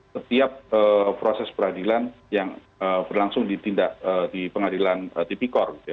setiap proses peradilan yang berlangsung di pengadilan tipikor